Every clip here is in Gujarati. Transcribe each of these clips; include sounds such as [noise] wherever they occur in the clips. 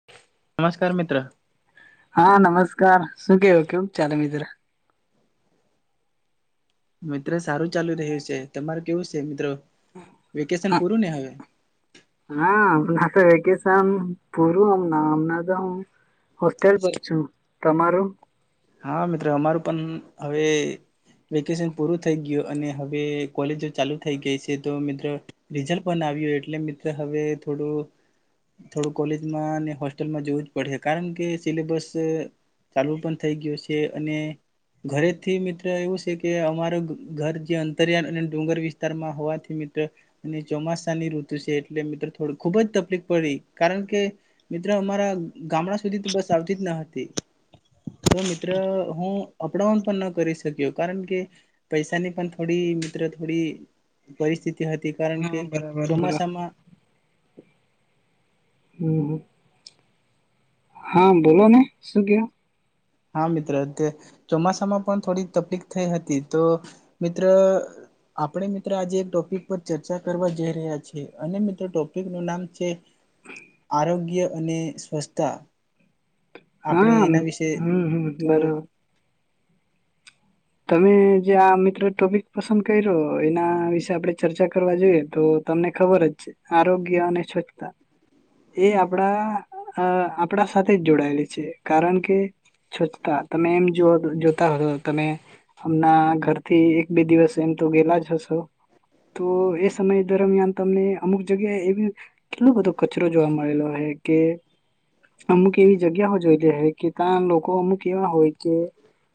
[inaudible] નમસ્કાર મિત્ર. હા નમસ્કાર શું કેવો કેવ ચાલે મિત્ર. મિત્ર સારું ચાલુ રહ્યું છે તમારું કેવું છે મિત્રો વેકેશન પૂરું ને હવે? હા અમના તો વેકેશન પૂરુંમમ તો. હોસ્ટેલ પર છું તમારું. હા મિત્રો અમારું પણ હવે. વેકેશન પૂરું થઈ ગયું અને હવે કોલેજ ચાલુ થઈ ગઈ છે તો મિત્રો. રિઝલ્ટ પણ આવ્યું એટલે મિત્ર હવે થોડું. થોડું કોલેજમાં અને હોસ્ટેલમાં જોવું જ પડશે કારણ કે સિલેબસ ચાલું પણ. થઈ ગયું છે અને ઘરેથી મિત્ર એવું છે કે અમાર ઘર જે અંતરિયાળ અને ડુંગર વિસ્તારમાં હોવાથી મિત્ર. અને ચોમાસાની ઋતુ છે એટલે મિત્રો થોડ ખુબ જ તકલીફ પડી કારણ કે. મિત્રો અમારા ગામડા સુધી તો બસ આવતી જ ન હતી. તો મિત્ર હું અપડાઉન પણ ન કરી શક્યો કારણ કે. પૈસાની પણ થોડી મિત્ર થોડી પરિસ્થિતિ હતી કારણ કે હા બરાબર બરાબર ચોમાસામાં. હમ. હા બોલો ને શું ક. હા મિત્ર અ ચોમાસામાં પણ થોડીક તકલીક થઈ હતી તો મિત્ર. આપણે મિત્રો આજે એક ટોપિક પર ચર્ચા કરવા જઈ રહ્યા છીએ અને મિત્રો ટોપિક ન નામ છે. આરોગ્ય અને સ્વસ્્થતા. હા હમ હમ થોડું બરોબર. તમે જે આ મિત્રો ટોપિક પસંદ કર્યો એના વિશે આપે ચર્ચા કરવા જોઈએ તો. તમને ખબર જ છે આરોગ્ય અને સ્વચ્છતા. એ આપણા અ આપણા સાથે જ જોડાયેલી છે કારણ કે. છોચતા તમે એમ જો જોતા હો તમે. હમણાં ઘરથી એક બે દિવસ એમ તો ગેલા જ હશેો. તો એ સમય દરમિયાન તમને અમુક જગ્યાએ એવી કેટલો બધો. વિચરો જોવા મળેલો હ કે. અમુક એવી જગ્યાઓ જોઈ લે કે ત્યાં લોકો અમુક એવા હોય કે.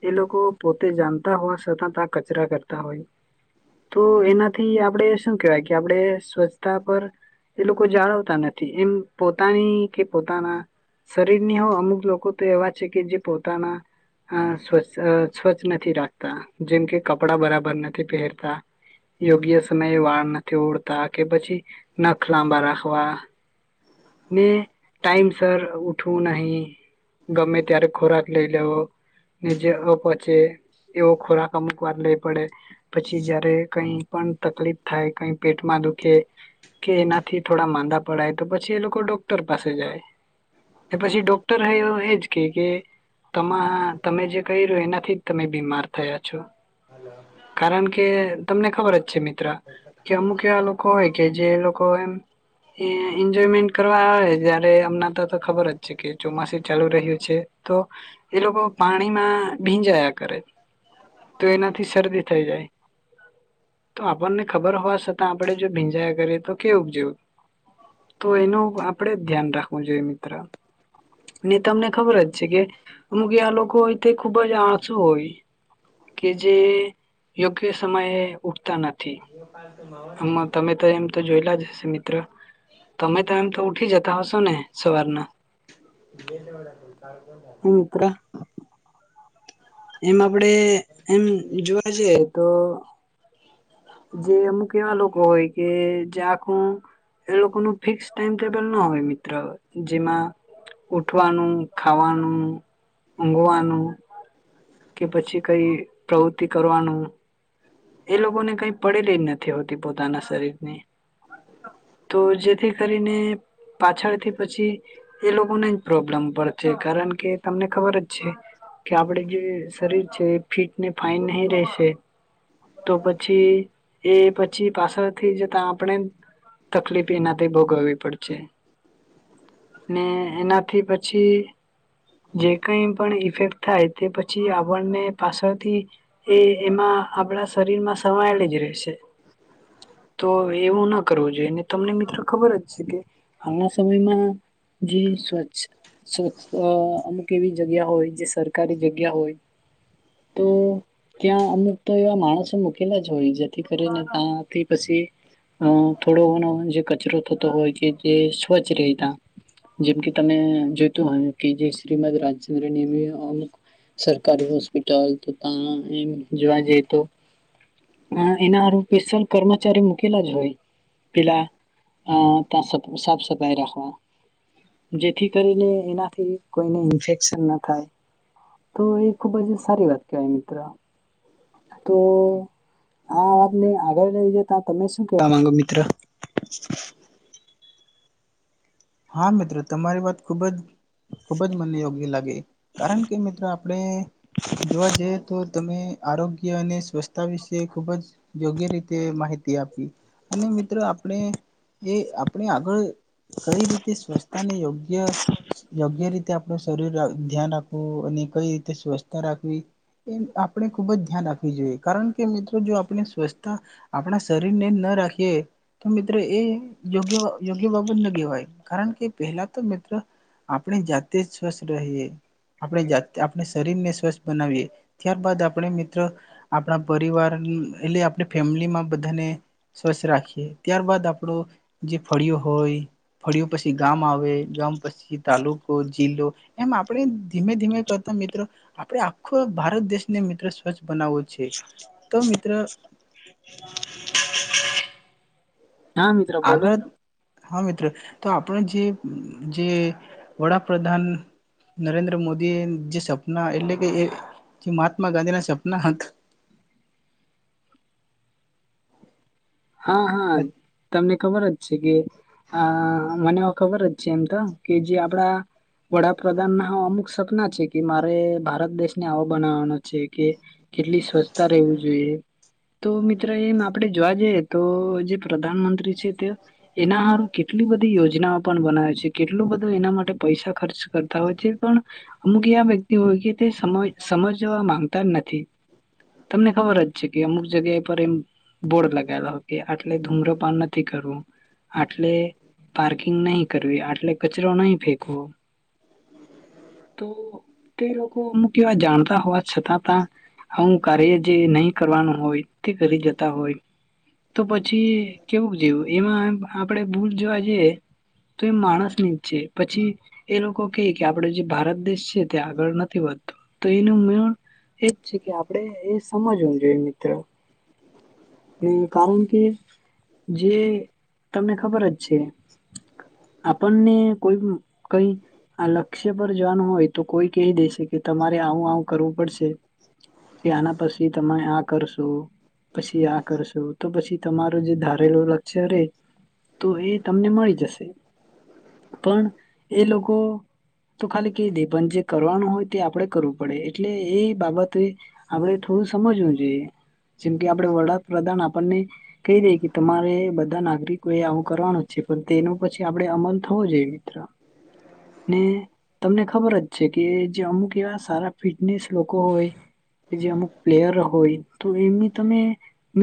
એ લોકો પોતે જાણતા હોય સતત આ કચરા કરતા હોય. તો એનાથી આપણેે શું કેહેવાય કે આપણે સ્વચ્છતા પર. એ લોકો જાળવતા નથી એમ પોતાની કે પોતાના. શરીરની હો અમુક લોકો તો એવા છે કે જે પોતાના. અ સ્વચ્ સ્વચ્છ નથી રાખતા જેમ કે કપડા બરાબર નથી પહેરતા. યોગ્ય સમયે વાળ નથી ઉડતા કે પછી નખ લાંબા રાખવા. ને ટાઈમ સર ઉઠવું નહીિ ગમે ત્યારે ખોરાક લઈ લેવો. ની જે અપહોચે એવો ખોરાક અમુક વાર લઈ પડે. પછી જયારે કઈ પણ તકલીફ થાય કઈ પેટમાં દુખે. કે એનાથી થોડા માંદા પડાય તો પછી એ લોકો ડોક્ટર પાસે જાય. પછી ડોક્ટર એવું એજ કે કે. તમા તમે જે કહી રહ્યું એનાથી જ તમે બીમાર થયા છો. કારણ કે તમને ખબર જ છે મિત્ર કે અમુક એવા લોકો. હોય કે જે લોકો એજોમેન્ટ. કરવા આવે જયારે અમના તો તો ખબર જ છે કે ચોમાસું ચાલુ રહ્યું છે તો. એ લોકો પાણીમાં ભીંજાયા કરે. તો એનાથી શરદી થઈ જાય. તો આપણને ખબર હોવા છતાં આપડણે જો ભીંજાયા કરીએ તો કેવું જેવું. તો એનું આપડે જ ધ્યાન રાખવું જોઈએ મિત્ર. ને તમને ખબર જ છે કે અમુક આ લોકો હોય તે ખુબ જ આસું હોય. કે જે યોગ્ય સમયે ઉઠતા નથી. પાાર તો માવાન. આમાં તમે તો એમ તો જોયેલા જ હશે મિત્ર. તમે તો એમ તો ઉઠી જતા હશો ને સવારના. [unintelligible] મિત્ર એમ આપડે એમ જોવા જઈએ તો જે અમુક એવા લોકો હોય કે જે આખું એ લોકો ન ફિક્સ ટાઈમ ટેબલ ના હોય મિત્ર જેમાં ઉઠવાનું ખાવાનું ઊઘવાનું કે પછી કઈ પ્રવૃતિ કરવાનું એ લોકો ને કઈ પડેલી જ નથી હોતી પોતાના શરીર ની તો જેથી કરીને પાછળથી પછી એ લોકોને જ પ્રોબ્લેમ પડસે છે કારણ કે તમને ખબર જ છે. કે આપડે જે શરીર છે એ ફીટ ને ફાઈન નહી રશે તો પછી એ પછી પાછળથી જતા આપણે તકલીફ એનાથી ભોગવવી પડશે ને એનાથી પછી જે કઈ પણ ઈફેક્ટ થાય તે પછી આપણને પાછળથી એ એમાં આપણા શરીરમાં સમાંયેલી જ રહે છે. તો એવું ના કરવું જોઈએ તમને મિત્ર ખબર જ છે કે હાલના સમયમાં જી સ્વચ્છ સ્વચ્છ અ અમુક એવી જગ્યા હોય જે સરકારી જગ્યા હોય તો ત્યાં અમુક તો એવા માણસ મૂકેલા જ હોય જેથી કરીને ત્યાથી પછી અ થોડો ઘનો જે કચરો થતો હોય કે જે સ્વચ્છ રહે તા જેમ કે તમે જોઈતો હોય કે જે શ્રીમદ રાજચદ્રમ અમુક સરકારી હોસ્પિટલ તો ત્યાં એમ જોવા જઈએ તો હ એના હારુ સ્પેશ્યલ કર્મચારી મૂકેલા જ હોય પેલા અ ત સફ સાફ સફાઈ રાખવા જેથી કરીને એનાથી કોઈને ઇન્ફેક્શન ના થાય તો એ ખુબ જ સારી વાત કહેવાય મિત્ર તો આ વાતને આગળ લઈ જે તો તમે શું કેવા માંગો મિત્ર? હા મિત્ર તમારી વાત ખુબ જ ખૂબ જ મને યોગ્ય લાગે કારણ કે મિત્રો આપણે જોવા જઈએ તો તમે આરો ગ્ય અને સ્વચ્છતા વિશે ખૂબ જ યોગ્ય રીતે માહિતી આપી અને મિત્ર આપણે એ આપણે આગળ કઈ રીતે સ્વચ્છતાને યોગ્ય યોગ્ય રીતે આપણું શરીર ધ્યાન રાખવું અને કઈ રીતે સ્વસ્થતા રાખવી એ આપણે ખૂબ જ ધ્યાન રાખવી જોઈએ કારણ કે મિત્રો જો આપણે સ્વચસ્છતા આપણા શરીરને ન રાખીએ તો મિત્રો એ યોગ્ય યોગ્ય બાબત ના કહેવાય કારણ કે પેલા તો મિત્રો આપણે જાતે જ સ્વસ્થ રહીએ આપણે જાતે આપણે શરીરને સ્વસ્થ બનાવીએ ત્યારબાદ આપણે મિત્ર આપણા પરિવાર એટલે આપણી ફેમિલીમાં બધાને સ્વસ્છ રાખીએ ત્યારબદ આપણો જે ફળીયુ હોય ફળ્યું પછી ગામ આવે ગામ પછી તાલુકો જિલ્લો એમ આપણે ધીમે ધીમે કરતા મિત્રો આપડે આખો ભારત દેશને મિત્રો સ્વચ્છ બનાવો છે તો મિત્ર [inaudible] હા મિત્ર બોલો ને આગળ હા મિત્ર તો આપનું જે જે વડાપ્રધાન નરેન્દ્ર મોદી જે સપના એટલે કે એ જે મહાત્મા ગાંધી ના સપના હતા હા હા તમને ખબર જ છે કે આ મને ખબર જ છે એમ તો કે જે આપડા વડાપ્રધાન ના અમુક સપના છે કે મારે ભારત દેશને આવો બનાવાનો છે કે કેટલી સ્વચ્છતા રહેવું જોઈએ તો મિત્ર એમ આપડે જોવા જઈએ તો જે પ્રધાનમંત્રી છે તે એના હારું કેટલી બધી યોજનાઓ પણ બનાવે છે કેટલું બધું એના માટે પૈસા ખર્ચ કરતા હોય છે પણ અમુક એ વ્યક્તિ હોય કે તે સમય સમજવા માંગતા નથી તમને ખબર જ છે કે અમુક જગ્યા પર એમ બોર્ડ લગાવેલા હો કે આટલે ધૂમ્રપન નથી કરવું આટલે પાર્કિંગ નહી કરવી આટલે કચરો નહી ફેકવો તો તે લોકો અમુક એવા જાણતા હોવા છતાં તા આવું કાર્ય જે નહી કરવાનું હોય તે કરી જતા હોય તો પછી કેવું જેવું એમાં આપડે ભૂલ જોવા જઈએ તો એ માણસ ની જ છે પછી એ લોકો કેય કે આપડે જે ભારત દેશ છે તે આગળ નથી વધતો તો એનું મે એજ છે કે આપડે એ સમજવું જોઈએ મિત્ર હ કારણ કે જે તમને ખબર જ છે આપણને કોઈ કઈ આ લક્ષ્ય પર જવાનું હોય તો કોઈ કહી દેશે કે તમારે આવું આવું કરવું પડશે કે આના પછી તમે આ કરશો પછી આ કરશો તો પછી તમારો જે ધારેલું લક્ષ્ય રેય તો એ તમને મળી જશે પણ એ લોકો તો ખાલી કહી દે પણ જે કરવાનું હોય તે આપડે કરવું પડે એટલે એ બાબતે આપડે થોડું સમજવું જોઈએ જેમ કે આપડે વડાપ્રધાન આપણને કેય દેય કે તમારે બધા નાગરિકો એ આવું કરવાનું જ છે પણ તેનો પછી આપડે અમલ થવો જોઈએ મિત્ર [inaudible] ને તમને ખબર જ છે કે જે અમુક એવા સારા ફિટનેસ લોકો હોય કે જે અમુક પ્લેયર હોય તો એમની તમે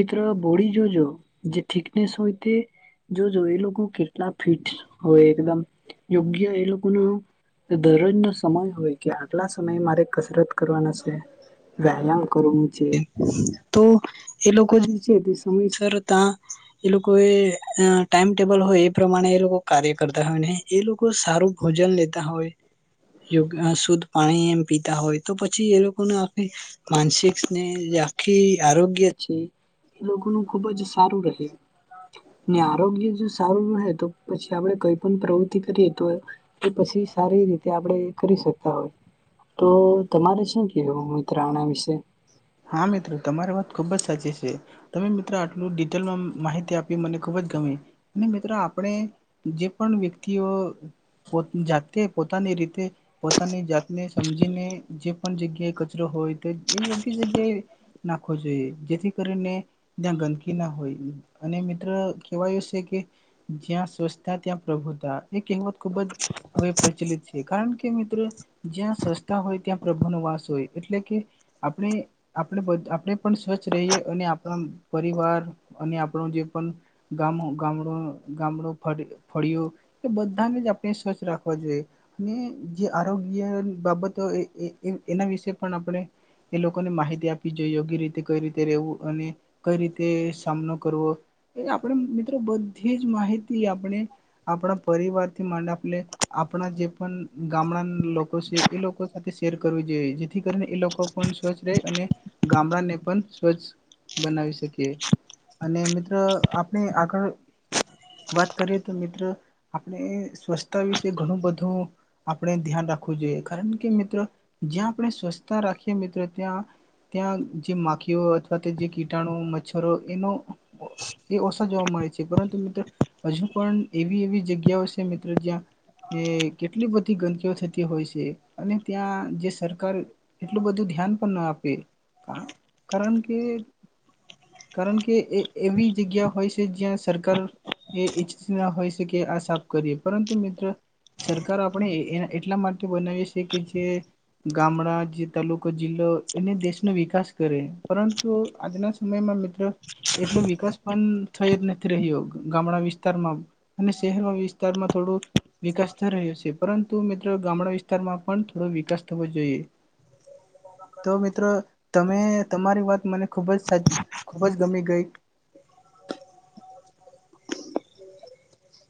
ત્ર બોડી જો જો જે થીક્નેસ હોય તે જોજો એ લોકો કેટલા ફિટ હોય એકદમ યોગ્ય એ લોકોનું દરરોજ નો સમય હોય કે આટલા સમયે મારે કસરત કરવાના વ્યાયામ કરવું છે તો એ લોકો જે છે તે સમયસરતા એ લોકો એ અ ટાઈમ ટેબલ હોય એ પ્રમાણે એ લોકો કાર્ય કરતા હોય નહી એ લોકો સારું ભોજન લેતા હોય યોગ શુદ્ધ પાણી એમ પીતા હોય તો પછી એ લોકોને આ માનસિક સ્નેહ આખી આરોગ્ય છે એ લોકોનું ખુબ જ સારું રહે ને આરોગ્ય જો સારું રહે તો પછી આપડે કઈ પણ પ્રવૃતિ કરીએ તો એ પછી સારી રીતે આપડે કરી શકતા હોય તો તમારે શું કેહવું મિત્ર આના વિશે હા મિત્ર તમારી વાત ખુબજ સાચી છે. તમે મિત્રો આટલું ડિટેલમાં માહિતી આપી મને ખુબજ ગમી અને મિત્રો આપણે જે પણ વ્યક્તિઓ પો જાતે પોતાની રીતે પોતાની જાતને સમજીને જે પણ જગ્યાએ કચરો હોય તો એ યોગ્ય જગ્યાએ નાખવો જોઈએ જેથી કરીને. ત્યાં ગંદકી ના હોય અને મિત્ર કેવાયું છે, કે. જ્યાં સ્વચ્છતા ત્યાં પ્રભુતા એ કહેવત ખુબ જ હવે પ્રચલિત છે કારણ કે કે મિત્રો જ્યાં સસ્તા હોય ત્યાં પ્રભુ નો વાસ હોય એટલે કે આપણે આપડે બ આપડે પણ સ્વચ્છ રહીએ અને આપણા પરિવાર અને આપણો જે પણ ગામું ગામડું ગામડું ફળ ફળિયું કે બધાને જ આપણે સોચ રાખવી જોઈએ. અને જે આરોગ્ય બાબતો એના વિશે પણ આપણે. એ લોકોને માહિતી આપવી જોઈએ યોગ્ય રીતે કઈ રીતે રહેવું અને કઈ રીતે સામનો કરવો. એ આપણે મિત્રો બધીજ માહિતી આપણે આપણા પરિવારથી માં આપણે. આપણા જે પણ ગામડા લોકો છે, એ લોકો સાથે શેર કરવું જોઈએ જેથી કરીને એ લોકો. પણ સ્વચ્છ રહી અને ગામડા ને પણ સ્વચ્છ બનાવી શકીએ. અને મિત્ર આપણે આગળ. વાત કરીએ તો મિત્ર આપણે સ્વચ્છતા વિશે ઘણું બધું. આપણે ધ્યાન રાખવું જોઈએ કારણ કે મિત્રો જ્યાં આપણે સ્વચસ્છતા રાખીએ મિત્રો ત્યાં. ત્યાં જે માખીઓ અથવા જે કીટાણુ મચ્છરો એનો. એ ઓછા જોવા મળે છે, પરંતુ મિત્ર હજુ પણ એવી એવી જગ્યાઓ છે, મિત્ર જ્યાં. એ કેટલી બધી ગંદકીઓ થતી હોય છે, અને ત્યાં જે સરકાર. એટલું બધું ધ્યાન પણ ના આપે કારણ કે. કારણ કે એ એવી જગ્યા હોય છે, જ્યાં સરકાર. એ ઈચ્છ ના હોય શકે આ સાફ કરીએ પરંતુ મિત્ર. સરકારો આપણે એ એટલા માટે બનાવીએ છીએ કે જે ગામડા જે. તાલુકો જિલ્લો એને દેશનો વિકાસ કરે પરંતુ આજના સમયમાં [unintelligible] એટલો વિકાસ. પણ થઈ જ નથી રહ્યો ગામડા વિસ્તારમાં અને શહેર વિસ્તારમાં થોડું. વિકાસ થ રહ્યો છે, પરંતુ મિત્રો ગામડા વિસ્તારમાં પણ થોડો વિકાસ થવો જોઈએ. તો મિત્રો તમે તમારી વાત મને ખૂબજ [unintelligible] ખૂબજ ગમી ગઈ.